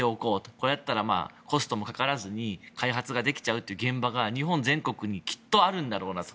これだったらコストもかけずに開発できるという現場が日本全国にきっとあるんだろうなと。